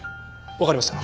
わかりました。